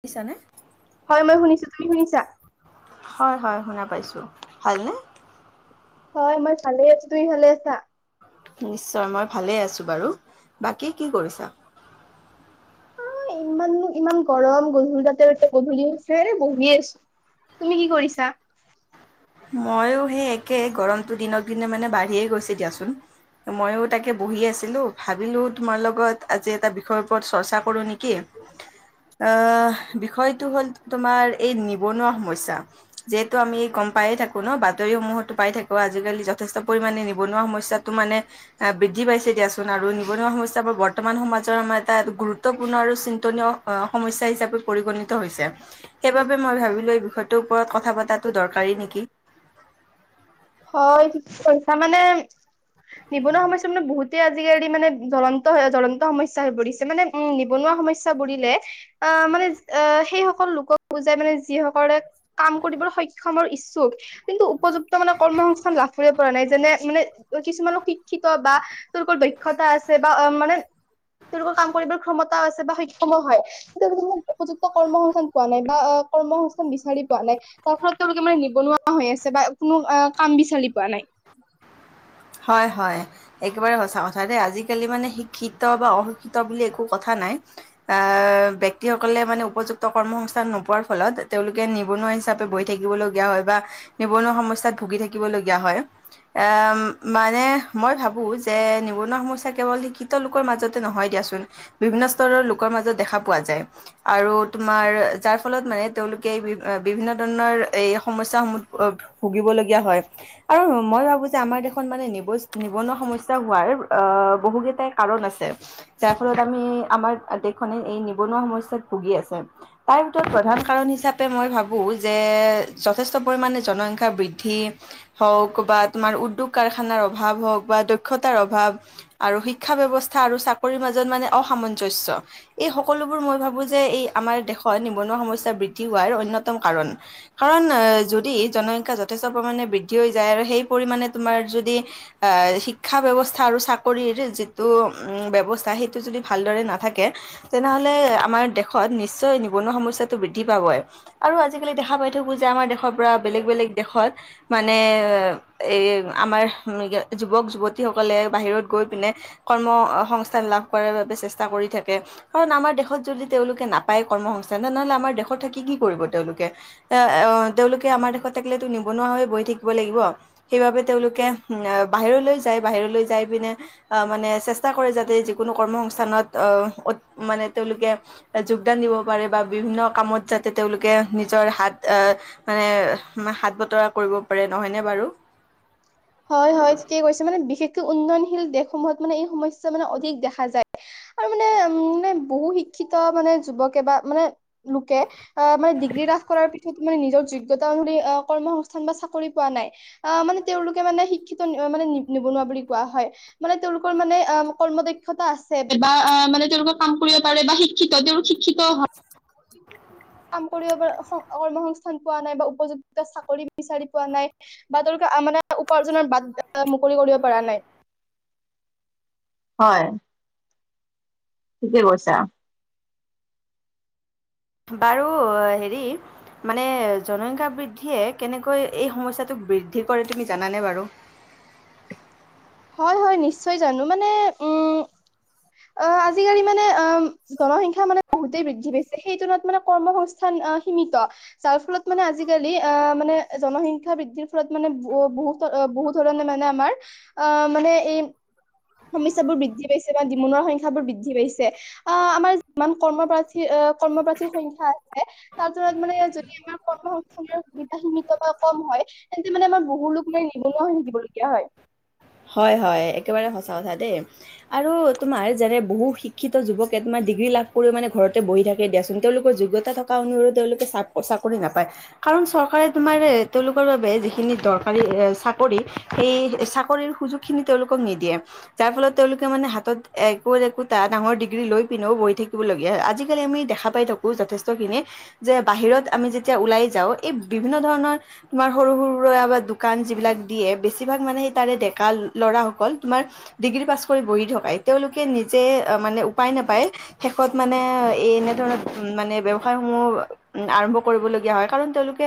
শুনিছানে? হয় মই শুনিছো, তুমি শুনিছা? হয়, হয় শুনা পাইছোঁ, ভালনে? হয় মই ভালে আছো, তুমি ভালে আছা? নিশ্চয়, মই ভালে আছো বাৰু, বাকী কি কৰিছা? ইমান নো ইমান গৰম, গধুল তাতে গধূলি হৈছে এনেই বহি আছো। তুমি কি কৰিছা? মইয়ো সেই একে, গৰমটো দিনক দিনে মানে বাঢ়িয়ে গৈছে দিয়াচোন। মইও তাকে বহি আছিলো, ভাবিলো তোমাৰ লগত আজি এটা বিষয়ৰ ওপৰত চৰ্চা কৰো নি? কি? অহ বিষয় টো হল, তোমাৰ এই নিবনুৱা সমস্যা, যিহেতু আমি গম পায়ে থাকো ন', বাতৰিসমূহতো পাই থাকো, আজিকালি যথেষ্ট পৰিমানে নিবনুৱা সমস্যাটো মানে বৃদ্ধি পাইছে দিয়াচোন আৰু নিবনুৱা সমস্যাবোৰ বৰ্তমান সমাজৰ আমাৰ এটা গুৰুত্বপূৰ্ণ আৰু চিন্তনীয় অ', সমস্যা হিচাপে পৰিগণিত হৈছে, সেইবাবে মই ভাবিলো এই বিষয়টোৰ ওপৰত কথা পতাটো দৰকাৰী নেক কি? হয়, ঠিক কৈছা মানে, নিবনুৱা সমস্যা মানে বহুত আজিকালি মানে, জ্বলন্ত, জ্বলন্ত সমস্যা হৈ পৰিছে, মানে উম, নিবনুৱা সমস্যা বুলিলে আহ, মানে, অ', সেইসকল লোকক বুজাই মানে, যিসকলে কাম কৰিবলৈ সক্ষমৰ ইচ্ছুক, কিন্তু উপযুক্ত মানে কৰ্মসংস্থান লাভ কৰিব পৰা নাই, যেনে মানে কিছুমানক শিক্ষিত বা তেওঁলোকৰ দক্ষতা আছে বা অ', মানে, তেওঁলোকৰ কাম কৰিবৰ ক্ষমতা আছে বা সক্ষমো হয়, তাতে [unintelligible] উপযুক্ত কৰ্ম সংস্থান পোৱা নাই বা কৰ্ম সংস্থান বিচাৰি পোৱা নাই, যাৰ ফলত তেওঁলোকে মানে নিবনুৱা হৈ আছে বা কোনো আহ কাম বিচাৰি পোৱা নাই। হয়, হয়। একেবাৰে সঁচা কথা দেই, আজিকালি মানে শিক্ষিত বা অশিক্ষিত বুলি একো কথা নাই। আহ, ব্যক্তিসকলে মানে উপযুক্ত কৰ্মসস্থান নোপোৱাৰ ফলত, তেওঁলোকে নিবনুৱা হিচাপ পে বহি থাকিব লগীয়া হয় বা নিবনুৱা সমসস্যাত ভুগি থাকিব লগগীয়া হয় এ। মানে মই ভাবোঁ যে, নিবনুৱা সমস্যা কেৱল শিক্ষিত লোকৰ মাজতে নহয় দিয়াচোন। বিভিন্ন স্তৰৰ লোকৰ মাজত দেখা পোৱা যায়। আৰু তোমাৰ যাৰ ফলত মানে, তেওঁলোকে এই বিভিন্ন ধৰণৰ এই সমস্যাসমূহ ভুগিবলৈ হয় আৰু মই ভাবো যে আমাৰ দেশ দেশখন মানে নিব নিবনুৱা সমস্যা হোৱাৰ আহ বহু কেইটাই কাৰণ আছে। যাৰ ফলত আমি আমাৰ দেশখনে এই নিবনুৱা সমস্যাত ভুগি আছে। তাৰে ভিতৰত প্ৰধান কাৰণ হিচাপে মই ভাব, [unintelligible] যথেষ্ট পৰিমাণে জনসংখ্যা বৃদ্ধি হওঁক বা তোমাৰ উদ্যোগ কাৰখানাৰ অভাৱ হওঁক বা দক্ষতাৰ অভাৱ। আৰু শিক্ষা ব্যৱস্থা আৰু চাকৰিৰ মাজত মানে অসামঞ্জস্য়। এই সকলোবোৰ মই ভাবো যে এই আমাৰ দেশত নিবনুৱা সমস্যা বৃদ্ধি হোৱাৰ অন্যতম, কাৰণ, কাৰণ যদি জনসংখ্যা যথেষ্ট পৰিমাণে বৃদ্ধি হৈ যায় আৰু সেই পৰিমাণে, তোমাৰ যদি, আহ শিক্ষা ব্যৱস্থা আৰু চাকৰিৰ যিটো ব্যৱস্থা সেইটো যদি ভালদৰে নাথাকে, তেনেহলে আমাৰ দেশত নিশ্চয় নিবনুৱা সমস্যাটো বৃদ্ধি পাবই। আৰু আজিকালি দেখা পাই থাকো যে আমাৰ দেশৰ, পৰা বেলেগ বেলেগ দেশত মানে এ, আমাৰ যুৱক যুৱতীসকলে বাহিৰত গৈ পিনে, কৰ্ম সংস্থান লাভ কৰাৰ বাবে চেষ্টা কৰি থাকে। কাৰণ আমাৰ দেশত যদি তেওঁলোকে নাপায় কৰ্ম সংস্থান তেনেহলে আমাৰ দেশত থাকি কি কৰিব তেওঁলোকে। এ আহ তেওঁলোকে আমাৰ দেশত থাকিলেতো নিবনুৱা হৈ বৈ থাকিব লাগিব, সেইবাবে, তেওঁলোকে বাহিৰলৈ যায়। বাহিৰলৈ যাই পিনে, আহ মানে চেষ্টা কৰে যাতে যিকোনো কৰ্ম সংস্থানত আহ মানে তেওঁলোকে, যোগদান দিব পাৰে বা বিভিন্ন কামত যাতে তেওঁলোকে নিজৰ হাত, মানে হাত বতৰা কৰিব পাৰে নহয়নে বাৰু? হয় ঠিকে কৈছে মানে বিশেষকৈ উন্নয়নশীল দেশসমূহত এই সমস্যা মানে অধিক দেখা যায়। আৰু মানে উম মানে [inaudible] বহু শিক্ষিত মানে যুৱকে, বা মানে লোকে অঁ মানে ডিগ্ৰী লাভ কৰাৰ পি ছত মানে নিজৰ যোগ্যতা অনুসৰি কৰ্মসস্থান বা চাকৰি পোৱা নাই। আহ মানে তেওঁলোকে মানে শিক্ষিত মানে নিবনুৱা বুলি কোৱা হয়। মানে তেওঁলোকৰ মানে অঁ কৰ্ম দক্ষতা আছে। বা অঁ মানে তেওঁলোকৰ কাম কৰিব পাৰে বা শিক্ষিত তেওঁলোক শিক্ষিত হয়। [inaudible] কাম কৰিব পৰা কৰ্মসস্থান পোৱা নাই বা উপযুক্ত চাকৰি বিচাৰি পোৱা নাই। বা তেওঁলোকে মানে উপাৰ্জনৰ বাত মুকলি কৰিব পৰা নাই। হয়। থিকে কৈছা। বাৰু হেৰি? মানে জনসংখ্যা বৃদ্ধিয়ে কেনেকৈ এই সমস্যটোক বৃদ্ধি কৰে তুমি জানানে বাৰু? হয় হয় নিশ্চয় জানো। মানে উম, অঁ আজিকালি মানে অঁ জনসংখ্যা মানে, বহুতেই বৃদ্ধি পাইছে, সেইটোনত মানে কৰ্মসস্থান আহ সীমিত। যাৰ ফলত মানে আজিকালি আহ মানে জনসংখ্যা বৃদ্ধিৰ ফলত মানে ব বহুত, বহুত ধৰণে মানে আমাৰ অ মানে এই সমস্যাবোৰ বৃদ্ধি পাইছে বা নিমনুৱাৰ সংখ্যা বোৰ বৃদ্ধি পাইছে। আহ আমাৰ যিমান কৰ্মপাৰ্থী আহ কৰ্মপাৰ্থীৰ সংখ্যা আছে। তাৰতলত মানে যদি আমাৰ কৰ্ম সংস্থাপন সুবিধা সীমিত বা কম হয়। তেন্তে মানে আমাৰ বহু লোক মানে নিবনুৱা হৈ থাকিব লগীয়া হয়। হয় হয় একেবাৰে সঁচা কথা দেই। আৰু তোমাৰ যেনে বহু শিক্ষিত যুৱকে তোমাৰ ডিগ্ৰী লাভ কৰিও মানে ঘৰতে বহি থাকে দিয়াচোন তেওঁলোকৰ যোগ্য তা থকা অনুসৰি তেওঁলোকে চা চাকৰি নাপায়। কাৰণ চৰকাৰে তোমাৰ তেওঁলোকৰ বাবে যিখিনি দৰকাৰী এ চাকৰি সেই চাকৰি সুযোগখিনি তেওঁলোকক নিদিয়ে। যাৰ ফলত তেওঁলোকে মানে হাতত একো একোটা ডাঙৰ ডিগ্ৰী লৈ পিনেও বহি থাকিবলগীয়া আজিকালি আমি দেখা পাই থাকো যথেষ্টখিনি, যে বাহিৰত আমি যেতিয়া ওলাই যাওঁ এই বিভিন্ন ধৰণৰ তোমাৰ সৰু সৰুৰা দোকান যিবিলাক দিয়ে বেছিভাগ মানে সেই তাৰে ডে ল'ৰাসকল, তোমাৰ ডিগ্ৰী পাছ কৰি বহি থকা। তেওঁলোকে নিজে মানে উপাই নাপাই শেষত মানে এ এনেধৰণৰ উ মানে ব্যৱসায় সমূহ উ আৰম্ভ কৰিবলগীয়া হয়। কাৰণ তেওঁলোকে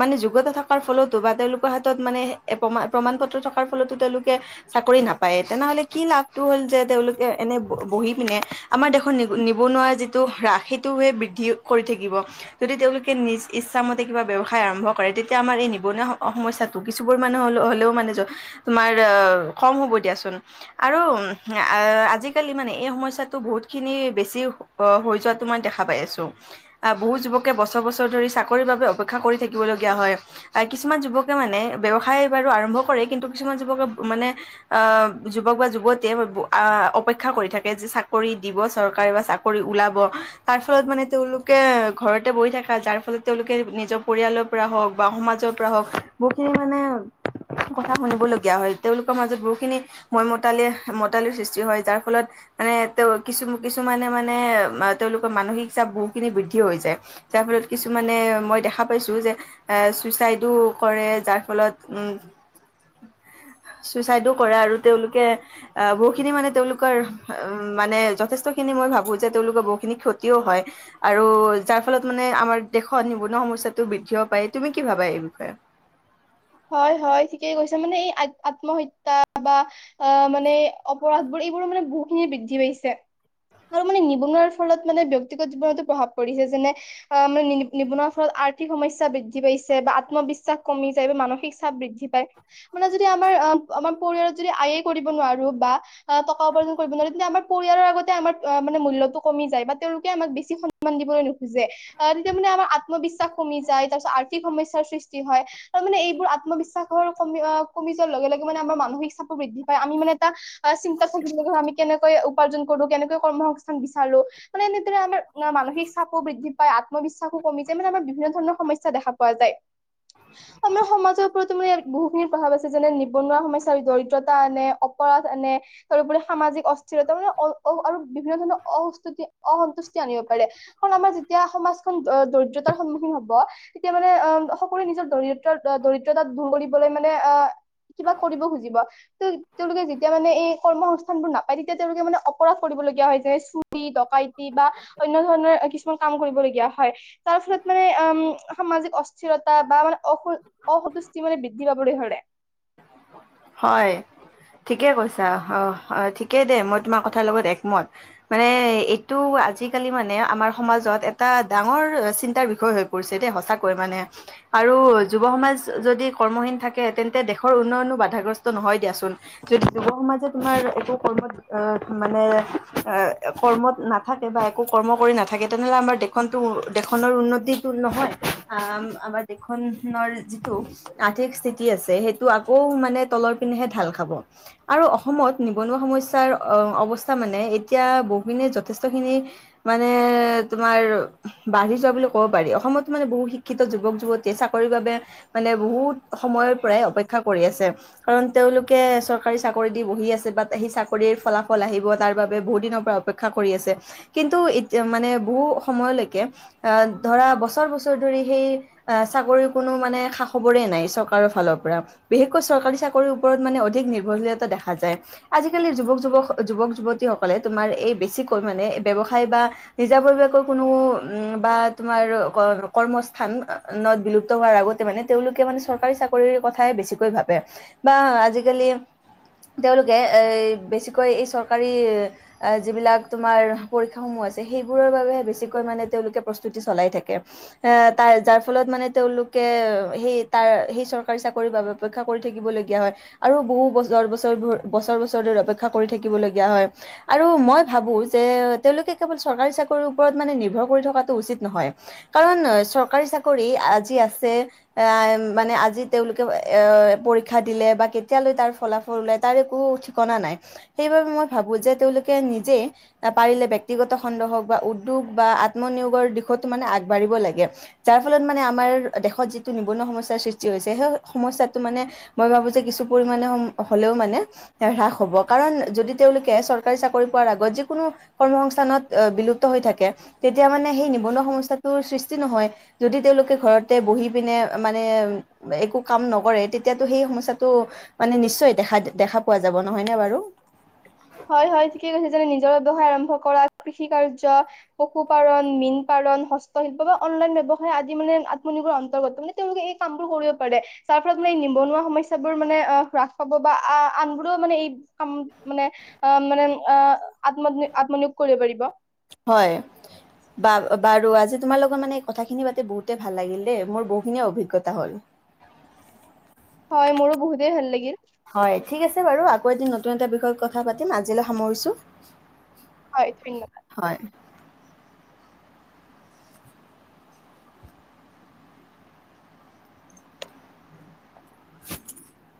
মানে যোগ্যতা থকাৰ ফলতো বা তেওঁলোকৰ হাতত মানে প্ৰ প্ৰমাণ পত্ৰ থকাৰ ফলতো তেওঁলোকে চাকৰি নাপায়, তেনেহ'লে কি লাভটো হ'ল যে তেওঁলোকে এনে বহি পিনে আমাৰ দেশত নি নিবনুৱা যিটো হ্ৰাস সেইটোৱে বৃদ্ধি কৰি থাকিব। যদি তেওঁলোকে নিজ ইচ্ছামতে কিবা ব্যয়ৱসায় আৰম্ভ কৰে তেতিয়া আমাৰ এই নিবনুৱা সমস্যা কিছুবোৰ মানুহ হ'লেও মানে তোমাৰ অঁ কম হ'ব দিয়াচোন। আৰু এ আজিকালি মানে এই সমস্যাটো বহুত খিনি বেছি অ হৈ যোৱাটো মই দেখা পাই আছোঁ। বহুত যুৱকে বছৰ বছৰ ধৰি চাকৰিৰ বাবে অপেক্ষা কৰি থাকিব লগীয়া হয়, আহ কিছুমান যুৱকে মানে ব্যৱসায় বাৰু আৰম্ভ কৰে, কিন্তু কিছুমান যুৱকে মানে আহ যুৱক বা যুৱতীয়ে আহ অপেক্ষা কৰি থাকে যে চাকৰি দিব চৰকাৰে বা চা কৰি ওলাব তাৰ ফলত মানে তেওঁলোকে ঘৰতে বহি থাকে যাৰ ফলত তেওঁলোকে নি জৰ পৰিয়ালৰ পৰা হওক বা সমাজৰ পৰা হওক মানে বহুখিনি মানে কথা শুনিবলগীয়া হয়। তেওঁলোকৰ মাজত বহুখিনি মই মতালি মতালিৰ সৃষ্টি হয় যাৰ ফলত মানে তেওঁ কিছু কিছুমানে মানে তেওঁলোকৰ মানসিক চাপ বহুত খিনি বৃদ্ধি হৈ যায়। যাৰ ফলত কিছুমানে মই দেখা পাইছো যে এ চুইচাইডো কৰে যাৰ ফলত উম চুইচাইডো কৰে আৰু তেওঁলোকে আহ বহুখিনি মানে তেওঁলোকৰ উম মানে যথেষ্ট খিনি মই ভাব বোঁ যে তেওঁলোকৰ বহুতখিনি ক্ষতিও হয় আৰু যাৰ ফলত মানে আমাৰ দেশত নিব নোৱা সমস্যাটো বৃদ্ধি হ'ব পাৰে তুমি কি ভাবা এই বিষয়ে হয় হয় ঠিকেই কৈছা মানে এই আ আত্মহত্যা বা আহ মানে অপৰাধবোৰ এইবোৰ মানে বহুখিনি বৃদ্ধি পাইছে। আৰু মানে নিবনুৱাৰ ফলত মানে ব্যক্তিগত জীৱনতো প্ৰভাৱ পৰিছে যেনে অ মানে নি নিবনুৱা ফলত আ আৰ্থিক সমস্যা বৃদ্ধি পাইছে বা আত্মবিশ্বাস কমি যায় বা মানসিক চাপ বৃদ্ধি পায়। মানে যদি আমাৰ আমাৰ পৰিয়ালত যদি আয়ে কৰিব নোৱাৰো বা অ টকা উপাৰ্জন কৰিব নোৱাৰে তেতিয়া আমাৰ পৰিয়ালৰ আগতে আমাৰ মানে মুল্যটো কমি যায় বা তেওঁলোকে আমাক বেছি স ন্মান দিবলৈ নোখোজে। আহ তেতিয়া মানে আমাৰ আত্মবিশ্বাস কমি যায়, তাৰপিছত আৰ্থিক সমস্যাৰ সৃষ্টি হয়। তাৰ মানে এইবোৰ আত্মবিশ্বাসৰ কমি কমি যোৱাৰ লগে লগে মানে আমাৰ মানসিক চাপো বৃদ্ধি পায় আমি মানে চিন্তাত থাকিব লগা হয় আমি কেনেকৈ উপাৰ্জন কৰো, কেনেকৈ কৰ্মসস্থান বিচাৰো। মানে এনেদৰে আমাৰ না মানসিক চাপো বৃদ্ধি পায়, আত্মবিশ্বাসো কমি যায়, মানে আমাৰ বিভিন্ন ধ ৰনৰ সমস্যা দেখা পোৱা যায়। আমাৰ সমাজৰ ওপৰতো মানে বহুখিনি প্ৰভাৱ আছে যেনে নিবনুৱা সমস্যাৰ দৰিদ্ৰতা আনে, অপৰাধ আনে তাৰউপৰি সামাজিক অস্থিৰতা মানে অ আৰু বিভিন্ন ধৰণৰ অস্তুতি অসন্তুষ্টি আনিব পাৰে কাৰণ আমাৰ যেতিয়া সমাজখন দ দৰিদ্ৰতাৰ সন্মুখীন হ'ব। তেতিয়া মানে অ সকলোৱে নিজৰ দৰিদ্ৰ দৰিদ্ৰতাত দূৰ কৰিবলৈ মানে আহ কিবা কৰিব খুজিব। ত তেওঁলোকে যেতিয়া মানে এই কৰ্মসস্থান বোৰ নাপায় তেতিয়া তেওঁলোকে মানে অপৰাধ কৰিবলগীয়া হয় যাই চু ৰী, ডকাইতি বা অন্য ধৰণৰ কিছুমান কাম কৰিবলগীয়া হয় তাৰ ফলত মানে। আ সামাজিক অস্থিৰতা বা মানে অ অসন্তুষ্টি মানে বৃদ্ধি পাবলৈ ধৰে। হয়। ঠিকে কৈছা অ অ ঠিকে দে, মই তোমাৰ কথাৰ লগত একমত। মানে এইটো আজিকালি মানে আমাৰ সমাজত এটা ডাঙৰ চিন্তাৰ বিষয় হৈ পৰিছে দেই সঁচাকৈ মানে আৰু যুৱ সমাজ যদি কৰ্মহীন থাকে তেন্তে দেশ ৰ উন্নয়নো বাধাগ্ৰস্ত নহয় দিয়াচোন। যদি যুৱ সমাজে তোমাৰ একো কৰ্মত আহ মানে এ কৰ্মত না থাকে বা একো কৰ্ম কৰি নাথ থাকে তেনেহ'লে আমাৰ দেশ দেশখনৰ উন্নতিটো নহয় আমাৰ দেশখনৰ যিটো আৰ্থিক স্থিতি আছে সেইটো আকৌ মানে তলৰ পিনেহে ঢাল খাব। আৰু অসমত নিবনুৱা সমস্যাৰ অৱস্থা মানে এতিয়া বহুখিনিয়ে যথেষ্টখিনি মানে তোমাৰ বাঢ়ি যোৱা বুলি ক'ব পাৰি, অসমতো মানে বহু শিক্ষিত যুৱক-যুৱ তী চাকৰিৰ বাবে মানে বহুত সময়ৰ পৰাই অপেক্ষা কৰি আছে। কাৰণ তেওঁলোকে চৰকাৰী চাকৰি দি বহি আছে বাত সেই চাকৰিৰ ফলাফল আহিব তাৰ বাবে বহুত দিনৰ পৰা অপেক্ষা কৰি আছে কিন্তু এতি মানে বহু সময়লৈকে আহ ধৰা বছৰ বছৰ ধৰি সেই চাকৰিৰ কোনো মানে খা খবৰে নাই চৰকাৰৰ ফালৰ পৰা। বিশেষকৈ চৰকাৰী চাকৰিৰ ওপৰত মানে অধিক নিৰ্ভৰশীলতা দেখা যায়। আজিকালি যুৱক যুৱক যুৱক যুৱতীসকলে তোমাৰ এই বেছিকৈ মানে ব্য্ৱসায় বা। আজিকালি যুৱক যুৱক যুৱক-যুৱতীসকলে তোমাৰ এই বেছিকৈ মানে ব্যৱসায় বা নিজা ববিয়াকৈ কোনো উম বা তোমাৰ কৰ কৰ্ম স্থান- নত বিলুপ্ত হোৱাৰ আগতে মানে তেওঁলোকে মানে চৰকাৰী চাকৰিৰ কথাই বেছিকৈ ভাবে। বা আজিকালি তেওঁলোকে এই বেছিকৈ এই চৰকাৰী- এ যিবিলাক তোমাৰ পৰীক্ষাসমূহ আছে। সেইবোৰৰ বাবেহে বেছিকৈ মানে তেওঁলোকে প্ৰস্তুতি চলাই থাকে। এ তাৰ যাৰ ফলত মানে তেওঁলোকে সেই তাৰ সেই চৰকাৰী চাকৰিৰ বাবে- অপেক্ষা কৰি থাকিবলগীয়া হয়। আৰু বহু বছৰ বছৰ বছৰ বছৰ ধৰি অপেক্ষা কৰি থাকিবলগীয়া হয়। আৰু মই ভাবো যে তেওঁলোকে কেৱল চৰকাৰী চাকৰিৰ ওপৰত মানে নিৰ্ভৰ কৰি থকাটো উচিত নহয়। কাৰণ চৰকাৰী চাকৰি আজি আছে এ মানে আজি তেওঁলোকে- পৰীক্ষা দিলে বা কেতিয়ালৈ তাৰ ফলাফল ওলায় তাৰ একো ঠিকনা নাই। সেইবাবে মই ভাবো যে তেওঁলোকে নিজেই এ পাৰিলে ব্যক্তিগত বা উদ্যোগ বা আত- ত্মনিয়োগৰ দিশতো মানে আগবাঢ়িব লাগে, যাৰ ফলত মানে আমাৰ দেশত যিটো নিৱনুৱা সমস্যাৰ সৃচ- টি হৈছে, সেই সমস্যাটো মানে- মই ভাবো যে কিছু পৰিমণে হলেও মানে হ্ৰাস হব, কাৰণ যদি তেওঁলোকে চৰ- কাৰী চাকৰি পোৱাৰ আগত যিকোনো কৰ্ম সংস্থানত বিলুপ্ত হৈ থাকে- তেতিয়া মানে সেই নিবনুৱা সমস্যাটোৰ সৃষ্টি নহয়। যদি তেওঁলোকে ঘৰতে বহি পিনে মানে এই- কাম নকৰে তেতিয়াতো সেই সমস্যাটো মানে নিশ্চয় দেখা দেখা পোৱা যাব নহয় নে বাৰু? হয় হয় ঠিকে কৈছে যেনে, নিজৰ ব্যৱসায় আৰম্ভ কৰা কৃষি কাৰ্য- পশুপালন, মীন পালন, হস- শিল্প বা অনলাইন ব্যৱসায় আজি মানে আতনিৰ্ভৰ অন্তৰ্গত, মানে তেওঁলোক এই কামবোৰ কৰি- তাৰ ফলত মানে নিবনুৱা সমস্যা বোৰ মানে অ হ্ৰাস পাব বা আহ আনবোৰো মানে এই- কাম মানে অঁ মানে অঁহ আত্মনিয়োগ আত্মনিয়োগ কৰিব পাৰিব। হয়। বা বাৰু আজি তোমাৰ লগত মানে এই কথাখিনি পাতি বহুতে ভাল লাগিল দেই মোৰ বহুখিনি অভি্জ্ঞতা হ'ল। হয়, মোৰো বহুতেই ভাল লাগিল। হয় ঠিক আছে বাৰু, আকৌ এদিন নতুন এটা বিষয়ত কথা পাতিম আজিলৈ সামৰিছো। হয়, ধন্যবাদ। হয়। [inaudible]